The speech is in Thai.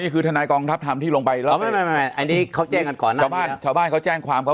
นี่คือธนายกองทัพทำที่ลงไปอันนี้เขาเจ่งกันก่อนชาวบ้านเขาเจ่งความ